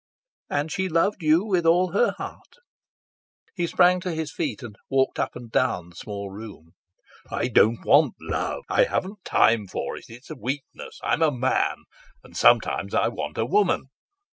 "And she loved you with all her heart." He sprang to his feet and walked up and down the small room. "I don't want love. I haven't time for it. It's weakness. I am a man, and sometimes I want a woman.